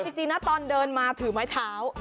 จริงนะตอนเดินมาถือไม้เท้า